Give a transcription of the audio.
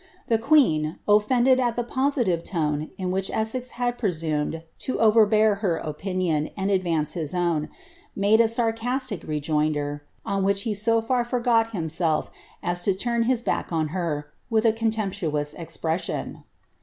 The queen, offended al itif positive tone in which Essex had presumed lo overbear her opinion tni aJ'ance his own, made a sarcasiic rejoinder, on which he so far forgot himself as to turn his back on her, wilh a contemptuous eipresiion.